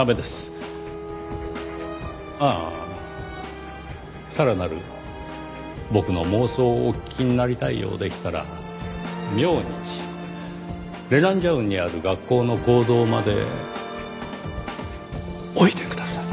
ああさらなる僕の妄想をお聞きになりたいようでしたら明日レナンジャウンにある学校の講堂までおいでください。